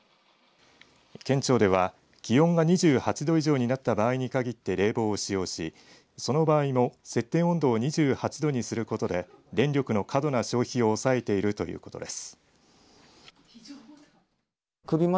県庁では気温が２８度以上になった場合に限って冷房を使用し、その場合も設定温度を２８度にすることで電力の過度な消費を抑えているということです。